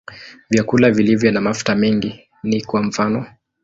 Vyakula vilivyo na mafuta mengi ni kwa mfano.